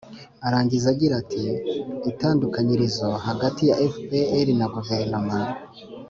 arangiza agira ati: itandukanyirizo hagati ya fpr na guverinoma